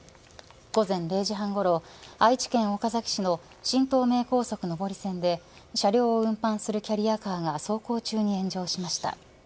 午前０時半ごろ愛知県岡崎市の新東名高速上り線で車両を運搬するキャリアカーが走行中に炎上しました。